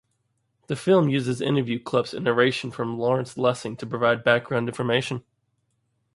The film uses interview clips and narration from Lawrence Lessig to provide background information.